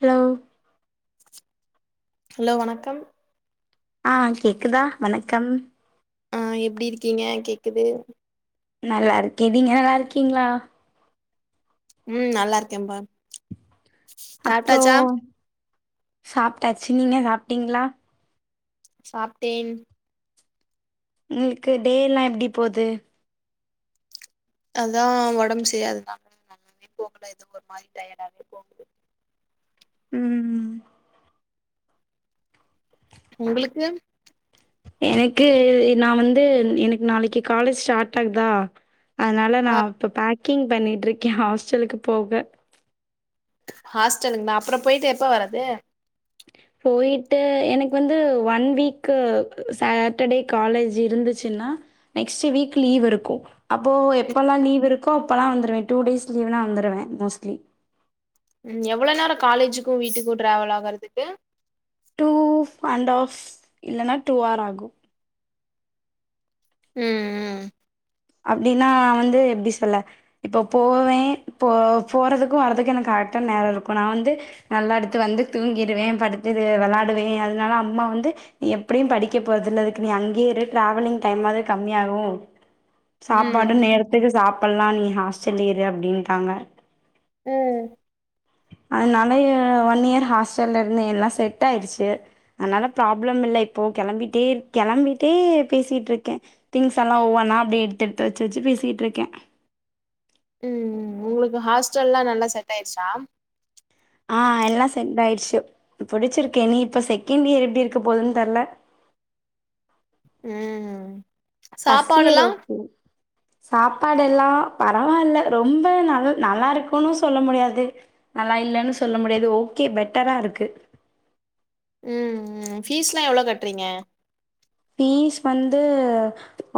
Hello hello வணக்கம் ஆ கேக்குதா வணக்கம் ஆ எப்டி இருக்கீங்க கேக்குது நல்லா இருக்கே நீங்க நல்லா இருக்கீங்களா ம் நல்லா இருக்கேன் பா அப்றோ சாப்டாச்சு நீங்க சாப்டீங்களா சாப்டேன் உங்களுக்கு டே எல்லா எப்டி போது அதா ஒடம்பு செரியதுனால [inaudible] ஒரு மாரி டயர்டாவே போகுது ம் உங்களுக்கு எனக்கு நா வந்து எனக்கு நாளைக்கு காலேஜ் ஸ்டார்ட் ஆகுதா அதனால நா ஆ இப்போ பேக்கிங் பண்ணிட்டு இருக்கே ஹாஸ்டலுக்கு போக ஹாஸ்டலுக்குணா அப்பறோ போயிட்டு எப்ப வர்ரது போயிட்டு எனக்கு வந்து ஒன் வீக்கு சாட்டர்டே காலேஜ் இருந்துச்சுன்னா நெக்ஸ்ட் வீக் லீவ் இருக்கு அப்போ எப்பெல்லா லீவு இருக்கோ அப்போல்லா வந்துடுவே டூடேஸ் லீவ்னா வந்துடுவேன மோஸ்ட்லி ம் எவ்ளோ நேரோ காலேஜுக்கு வீட்டுக்கு ட்ராவல் ஆகறதுக்கு டூ அண்ட் ஆஃப் இல்லைனா டூ ஆர் ஆகு ம் ம் அப்டின்னா வந்து எப்டி சொல்ல இப்ப போவே போ போறதுக்கு வர்றதுக்கு எனக்கு கரெக்டா நேரோ இருக்கு நா வந்து நல்லா எடுத்து வந்து தூங்கிடுவே படுத்து வெளாடுவே அதுனால அம்மா வந்து நீ எப்டியு படிக்க போறது இல்ல அதுக்கு நீ அங்கேய இரு ட்ராவலிங் டைம்மாவது கம்மி ஆகு ம் சாப்பாடு நேரத்துக்கு சாப்பல்லா நீ ஹாஸ்டல்லே இரு அப்டின்டாங்க அ அதுனாலயே ஒன் இயர் ஹாஸ்டல்ல இருந்தே எல்லா செட் ஆயிருச்சு அதனால ப்ராப்ளம் இல்ல இப்போ கெளம்பிட்டே கெளம்பிட்டே பேசிட்ருக்கே திங்ஸ் எல்லா ஒவ்வொன்னா அப்டியே எடுத்து எடுத்து வச்சு வச்சு பேசிட்ருக்கே ம் உங்களுக்கு ஹாஸ்டல்லா நல்லா செட் ஆயிடுச்சா ஆ எல்லா சென்ட் ஆயிடுச்சு புடுச்சிருக்கே இனி இப்ப செகண்ட் இயர் எப்டி இருக்கு போதுன்னு தெர்ல அ ம் ஃபர்ஸ்ட் இயர் சாப்பாடுல்லா ஓகே சாப்பாடு எல்லா பரவால்லா ரொம்ப நல் நல்லா இருக்குனு சொல்ல முடியாது நல்லா இல்லனு சொல்ல முடியாது ஓகே பெட்டரா இருக்கு ம் ம் ஃபீஸ்லா எவ்ளோ கட்றீங்க ஃபீஸ் வந்து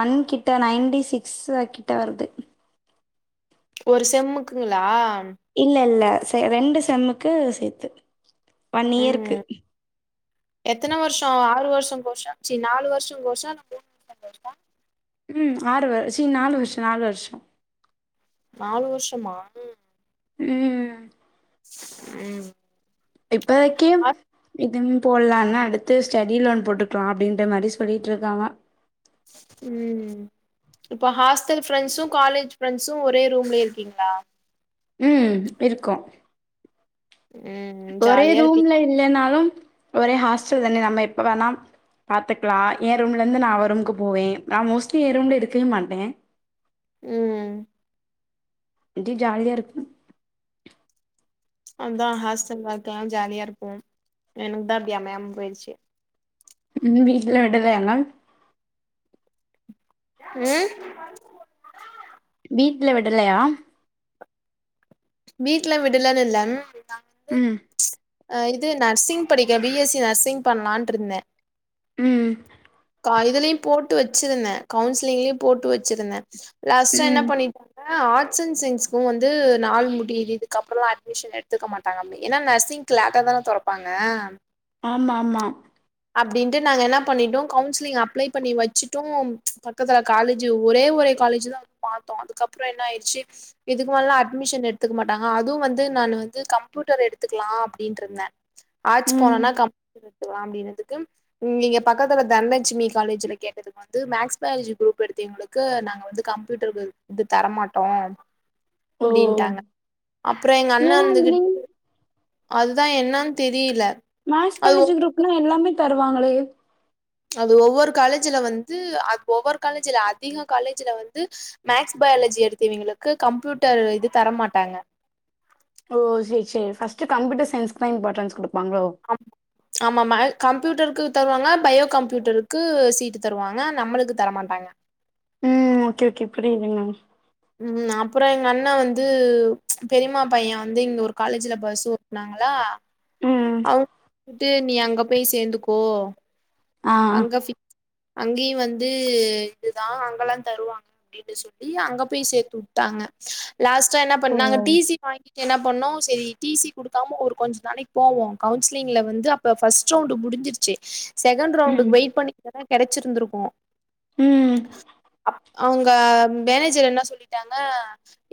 ஒன்கிட்ட நைன்டி சிக்ஸ கிட்ட வருது ஒரு செம்முக்குங்ளா இல்ல இல்ல ரெண்டு செம்முக்கு சேத்து ஒன் இயருக்கு ம் எத்தன வர்ஷோ ஆறு வர்ஷோ கோர்ஷா சி நாலு வர்ஷோ கோர்ஷா இல்ல மூணு வர்ஷோ கோர்ஷா ம் ஆறு வர் சி நாலு வர்ஷொ நாலு வர்ஷொ நாலு வர்ஷமா ம் ம் ம் இப்பத்க்கி ஹாஸ் இதும் போல்லானு அடுத்து ஸ்டடி லோன் போட்டுக்லா அப்டின்ற மாரி சொல்லியிட்ருக்காங்க ம் இப்ப ஹாஸ்ட்டல் ஃப்ரெண்ட்ஸு காலேஜ் ஃப்ரெண்ட்ஸு ஒரே ரூம்லே இருக்கீங்களா ம் இருக்கோ ம் ஒரே ஜாலியா இருப்பீ ரூம்ல இல்லேனாலும் ஒரே ஹாஸ்டல் தானே நம்ம எப்ப வேணா பாத்துக்லா ஏ ரூம்லேந்து நா அவ ரூம்க்கு போவே நா மோஸ்லி ஏ ரூம்ல இருக்கவே மாட்டே ம் இன்ட்னி ஜாலியா இருக் அதா ஹாஸ்ட்டல் வாழ்க்கலா ஜாலியா இருக்கு எனக்குதா அப்டி அமையாம போயிர்ச்சு ம் வீட்டிலலா விடலயாங்க ம் வீட்ல விடலையா வீட்லா விடலன் இல்ல ம் ஆ இது நர்சிங் படிக்க பி எஸ் சி நர்சிங் பண்லான்ட்ருந்த ம் கா இதுலயும் போட்டு வச்சிருந்த கவுன்சிலிங்லியு போட்டு வச்சிருந்த லாஸ்ட்டா என்ன ம் பண்ணிட் ஆ ஆர்ட்ஸ் அண்ட் சயின்ஸ்க்கு வந்து நாள் முடியிது இதுக்கப்றொ அட்மிஷன் எடுத்துக்க மாட் டாங்க அப்டி ஏன்னா நர்சிங்க்கு லேட்டா தான தொறப்பாங்க ஆமா ஆமா அப்டின்ட்டு நாங்க என்னா பண்ணிட்டோ கவுன்சிலிங் அப்ளை பண்ணி வச்சுட்டோ பக்கத்துல காலேஜு ஒரே ஒரு காலேஜு தா வந்து பாத்தோ அதுக்கப்றோ என்னா ஆயிர்ச்சி இதுக் மேலலா அட்மிஷன் எடுத்துக்க மாட்டாங்க அதுவு வந்து நானு வந்து கம்ப்யூட்டர் எடுத்துக்லா அப்டின்ருந்த ஆட்ஸு ம் போனொன்னா [inaudible] அப்டினு துக்கு இங்க பக்கத்துல தன்லெட்சுமி காலேஜுல கேட்டது வந்து மேக்ஸ் பயாலஜி குரூப் எடுத்தவைங்களுக்கு நாங்க வந்து கம்ப்யூட்டரு இது தரமாட்டோ ஓ! அப்டின்ட்டாங்கா அப்றொ எங்க அண்ண ஏன் வந்து அப்படி? [inaudible] அதுதா என்னான் தெரியில மேக்ஸ் பயாலஜி குரூப்னா எல்லாமே தருவாங்களே அது ஒவ்வொரு காலேஜில வந்து அ ஒவ்வொரு காலேஜ் இல்ல அதிகொ காலேஜ்ல வந்து மேக்ஸ் பயாலஜி எடுத்தவைங்களுக்கு கம்ப்யூட்டர் இது தர மாட்டாங்க ஓ செரி செரி ஃபஸ்ட்டு கம்யூட்டர் சைன்ஸ்க்குதா இம்பாட்டன்ஸ் குடுப்பாங்களோ அம் ஆமாமா கம்ப்யூட்டருக்கு தருவாங்க பயோ கம்ப்யூட்டருக்கு சீட்டு தருவாங்க நம்மளுக்கு தரமாட்டாங்க ம் ஓகே ஓகே புரியிதுங்க ம் அப்றொ எங்க அண்ண வந்து பெரிய்மா பைய வந்து இங்க ஒரு காலேஜுல பஸ்ஸு ஓட்னாங்களா ம். [inaudible] நீ அங்க போய் சேந்துக்கோ ஆ. அங்க ஃபி அங்கியு வந்து இதுதா அங்கல்லா தருவாங் அப்டினு சொல்லி அங்க போய் சேத்து உட்டாங்க லாஸ்ட்டா என்ன ஓ! பண்ணாங் நாங்க டி சி வாங்கிட்டு என்ன பண்ணோ செரி டி சி குடுக்காம ஒரு கொஞ்ச நாளைக் போவோ கவுன்சிலிங்ல வந்து இப்ப பஸ்ட்டு ரவுண்ட் முடிஞ்சிருச்சு செகண்ட் ரவுண்டு ம். வெயிட் பண்ணி கெடைச்சிருந்திருக்கு ம். அப் அவங்க மேனேஜர் என்ன சொல்லிட்டாங்க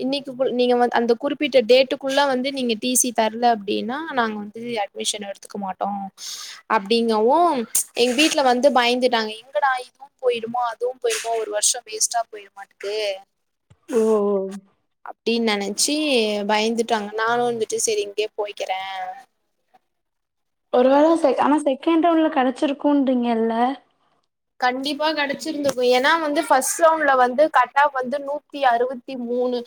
இன்னைக்கு நீங்க கு அந்த குறிப்பிட்ட டேட்டுக்குள்ளா வந்து நீங்க டிசி தரலா அப்டின்னா நாங்க வந்து அப் அட்மிஷன் எடுத்துக்க மாட்டோ அப்டிங்கவு எங்க வீட்டுலா வந்து பயந்துட்டாங்க எங்கடா இதுவு போயிமோ அதுவு போயடுமோ ஒரு வருஷ வேஸ்ட்டா போயிரு மட்டுக்கு ஓ ஓ அப்டின்னு நினைச்சு பயந்துட்டாங்க நானு வந்துட்டு செரி இங்கே போய்க்கிறே ஒரு வேளை செ ஆனா செகண்ட் ரவுன்லா கெடச்சிருக்குன்றீங்கல்லா கண்டிப்பா கெடச்சிருந்தக்கு ஏன்னா வந்து ஃபஸ்ட் ரவுண்ட்லா வந்து கட்டாவு வந்து நூத்தி அறுபத்தி மூணு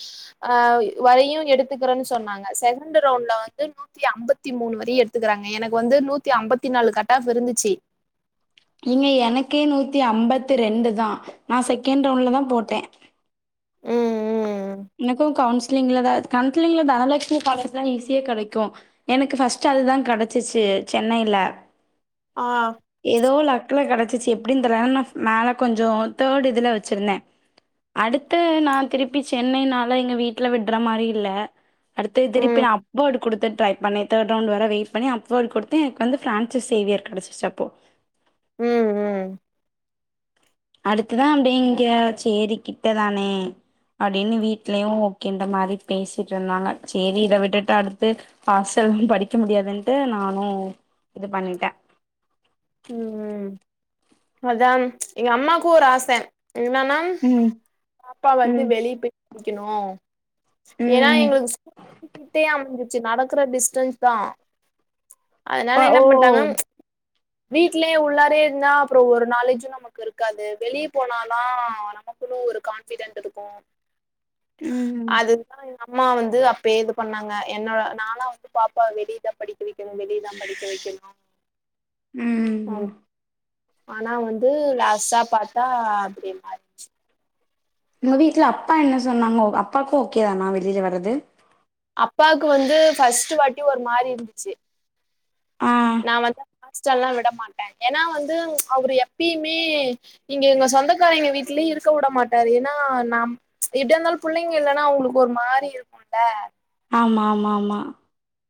ஆஹ் வரையு எடுத்துக்கிறோன்னு சொன்னாங்க செகண்ட் ரவுண்ட்லா வந்து நூத் நூத்தி ஐம்பத்தி மூணு வரை எத்துக்கறாங்க எனக்கு வந்து நூத்தி அம்பத்தி நாலு கட்டாவு இருந்துச்சு ஏங்க எனக்கே நூற்றி ஐம்பத்தி ரெண்டு தான நா செகண்ட் ரவுண்ட்ல தான போட்டே ஆ ம் எனக்கு கவுன்சிலிங்ல தா கவுன்சிலிங்ல தனலட்சுமி காலேஜலா ஈஸியே கிடைக்கு எனக்கு ஃபஸ்ட் அதுதா கிடைச்சிச்சு சென்னயில ஆஹ ஏதோ லக்ல கிடைச்சிச்சு எப்டினு தெரல நான கொஞ்சோ தேர்டு இதுல வச்சிருந்தே அடுத்த நாள் திருப்பி சென்னைனால எங்க வீட்டுல விடற மாரி இல்ல அடுத்து திருப்பி ம் அப் வேடு கொடுத்து டைப் பண்ணி தேர்ட் ரவுண்ட வர வெய் பண்ணி அப்ருவ கொடுத்து எனக்கு வந்து ஃப்ரான்சஸ் சேவிய கிடச்சு அப்போ ம் ம் அடுத்ததா அப்டி இங்க சேரிக்கிட்டதானே அப்டின்னு வீட்லயு ஓகேன்ற மாரி பேசிட்டு இருந்தாங்க சேரி இத விட்டுட்டு அடுத்து ஹாஸ்ட படிக்க முடியாதுன்ட்டு நானு இது பண்ணிட்டே ம் ம் அதா எங்க அம்மாக்கு ஒரு ஆச என்னன்னா ம் [unintelligible] பாப்பா வந்து ம் வெளிய போயி படிக்கணு ஏன்னா ம் எங்களுக்கு ஸ்கூல் வந்து விட்கிட்டே அமஞ்ருச்சு நடக்கற டிஸ்டன்ஸ் தா ஓ அதனால என்ன பண்ணிடங்க வீட்லயே உள்ளாரே இருந்தா அப்றோ ஒரு நாலேஜு நமக்கு நமக்கு இருக்காது வெளியே போனாத ஆ நமக்குன்னு ஒரு கான்பிடென்டு இருக்கு ம் அதுதா [unintelligible] அம்மா வந்து அப்பே இது பண்ணாங்க என்னோட நானா வந்து பாப்பா வெளியேதா படிக்க வைக்கணு வெளியேதா படிக்க வைக்கணு ம் ஆம் ஆனா வந்து லாஸ்ட்டா பாத்தா அப்டிய மாரி உங்க வீட்டுல அப்பா என்ன சொன்னாங்க ஓ அப்பாக்கு ஓகே தானா வெளியில வரது அப்பாக்கு வந்து ஃபஸ்ட்ட வாட்டி ஒரு மாரி இருந்துச்சு ஆ நா வந்து ஹாஸ்டல்லா விட மாட்டே ஏன்னா வந்து அவரு எப்பயுமே இங்க எங்க சொந்தக்கார எங்க வீட்லயு இருக்க விட மாட்டாரு ஏன்னா நா எப்படியு இருந்தாலு பபுள்ளைங்க இல்லன்னா அவங்களுக்கு ஒரு மாரி இருக்கும்ல ஆமா ஆமா ஆமா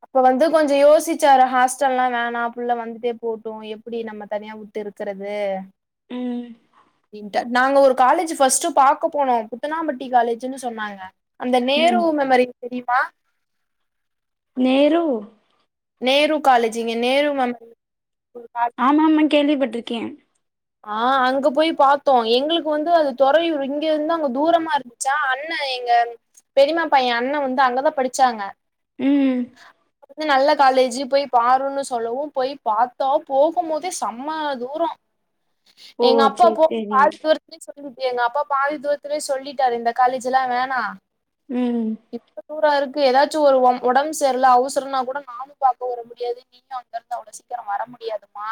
அப்ப வந்து கொஞ்சோ யோசிச்சாரு ஹாஸ்டல்லா எல்லா வேணா புள்ள வந்துட்டே போட்டு எப்படி நம்ம தனியாவுட் விட்டு இருக்கறது ம் ட நாங்க ஒரு காலேஜ் ஃபஸ்ட் பாக்க போனோ புத்தனாம்பட்டி காலேஜ்ன்னு சொன்னாங்க அந்த நேரு ம் மெமரி தெரியுமா நேரு நேரு காலேஜிங்க நேரு ஆமா ஆமா கேள்விப்பட்டிருக்கேன் ஆ அங்க போய் பாத்தோ எங்களுக்கு வந்து அது துறயுறு இங்க இந்து அங்க தூரமா இருக் சா அண்ண எங்க பெரியமாப்பைய அண்ணன் வந்து அங்கதான் படிச்சாங்க ம் வந்து நல்ல காலேஜீ போய் பாருன்னு சொல்லவும் போய் பாத்தா போகும் போதே செம்ம தூரோ ஓ எங்க அப்பா சேரி போ சேரி பாதி துர எங்க அப்பா பாதி தூரத்துலே சொல்லிட்டாரு இந்த காலேஜ்லா வேணா உம் இப்ப தூரா இருக்கு ஏதாச்சும் வருவோம் உடம்பு சரில அவசரம்னா கூட நானும் பாக்க வர முடியாது நீயும் அங்க இருந்து அவ்வளவு சீக்கிரம் வர முடியாமா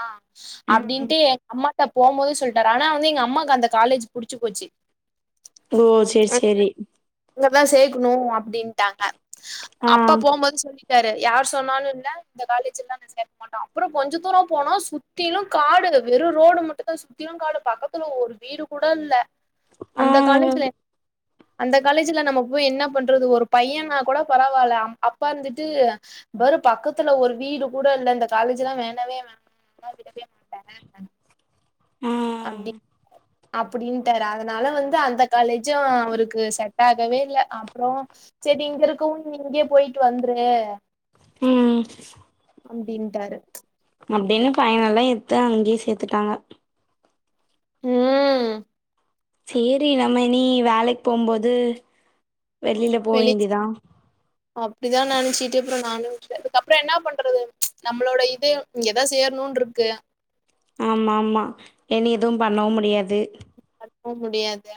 ம் அப்படின்ட்டு எங்க அம்மாட்ட போகும்போது சொல்லிட்டாரு ஆனா வந்து எங்க அம்மாக்கு அந்த காலேஜ் புடிச்சு போச்சு ஓ செரி செரி இங்கதான் சேக்கணும் அப்படின்ட்டாங்க ஆ டாரு யார் சொன்னாலும் இல்ல இந்த காலேஜ் எல்லாம் நான் சே மாட்டோம் அப்ரோ கொஞ்சோ தூரோ போனா சுத்திலும் காடு வெறு ரோடு மட்டும் தா சுத்திலும் காடு பக்கத்துல ஒரு வீடு கூட இல்ல ஆ அந்த காலேஜ்ல அந்த காலேஜ்ல நம்ம போய் என்ன பண்றது ஒரு பையனா கூட பரவால்ல அம் அப்பா வந்துட்டு பாரு பக்கத்துல ஒரு வீடு கூட இல்ல இந்த காலேஜ்லா வேண்டவே வேண் [unintelligible] ஆ அப்டி அப்புடின்ட்டாரு அதனால வந்து அந்த காலேஜும் அவருக்கு செட் ஆகவே இல்ல அப்புறோ செரி இங்க இருக்கவு இங்கயே போயிட்டு வந்துரு உம் அப்டின்ட்டாரு அப்டின்னு ஃபைனலா இத்தான் அங்கயே சேத்துட்டாங்க உம் சேரி நம்ம இனி வேலைக் போம்போது வெளில வெளி போவேண்டிதான் அப்டிதா நெனச்சிட்டு அப்றோ நானு விட்டுட்டேன் இதுக்கப்புறம் என்ன பண்றது நம்ளோட இது இங்கதான் சேரணுன்ருக்கு ஆமா ஆமா இனி எதுவும் பண்ணவும் முடியாது அனுப்பவும் முடியாது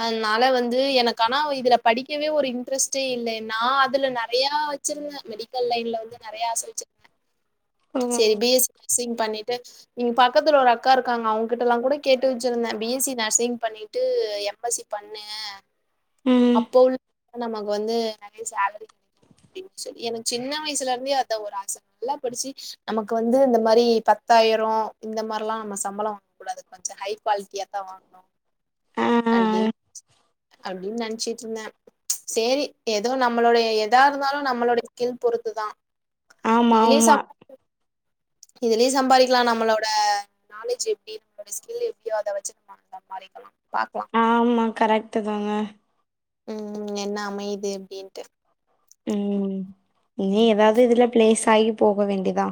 அதனால வந்து எனக்கு ஆனா இதுல படிக்கவே ஒரு இன்ட்ரெஸ்ட்டே இல்ல நா அதுல நெறையா ச்சிருந்த மெடிக்கல் லைன்ல வந்து நெறைய ஆச வச்சு சேரி ம் பி எஸ் சி நர்சிங் பண்ணி ட்டு இங்க பக்கத்துல ஒரு அக்கா ருக்காங்க அவங்ககிட்டல்லாங் கூட கேட்டு வச்சிருந்தன் பி எஸ் சி நர்சிங் பண்ணி ட்டு எம் எஸ் சி பண்ணு ம் அப்போ உள்ள நமக்கு வந்து நறைய சேலரி கடை அப்டின் சொல்லி எனக் சின்ன வயுசுல இருந்தே அதா‌ ஒரு ஆச நல்லா படிச்சு நமக்கு வந்து இந்த மரி பத்தாயிரோ இந்த மாரில்லாம் நம்ம சம்பளம் கூடாது கொஞ்சோ ஹை குவாலிட்டியா தா வாங்கணும் ஆ அப்டின் அப்டின் நெனச்சிட்டுருந்தன் சேரி ஏதோ நம்மளோடைய சேரி எதோ நம்மளுடைய ஏதா இருந்தாலு நம்மளோடைய ஸ்கில் பொறுத்துதா ஆமா ஆமா இதுலயு சம்பாதிக்கலா நம்மளோட நாலேஜ் எப்டி இருக்குது ஸ்கில் எப்டியோ அத வெச்சி நம்ம சம்பாதிக்கலா பாக்லாம் ஆமா கரெக்ட்டு தாங்க ம் என்ன அமையுது அப்டின்ட்டு ம் இனி எதாது இதுல பிளேஸ் ஆகி போக வேண்டிதா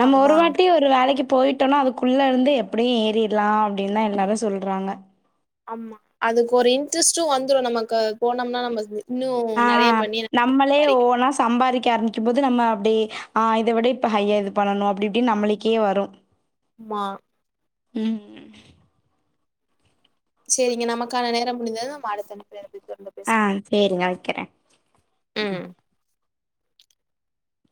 நம்ம ஒரு அதா வாட்டி ஒரு ரு வேலைக்கு போயிட்டோனா அதுக்குள்ள இருந்து எப்டியு ஏறிட்லா அப்டின்தா எல்லாரு சொல்றாங்க ஆமா அதுக்கு ஒரு இன்ட்ரெஸ்ட்டு வந்துரு நமக்கு போனம்னா நம்ம இது ஆ நம்மளே ஓனா சம்பாதிக்க ஆரம் பிக்கும்போது நம்ம அப்டி ஆ இத விட இப்ப ஹையா இது பண்ணணு அப்டி இப்டின்னு நம்மளுக்கே வரு மா ம் சேரிங்க நமக்கான நேரம் முடிந்தது நம் அடுத்த இணைப்பில அப்டியே தொடர்ந்து ஆ பேசலாம் சேரிங்க வெக்கிறே ம்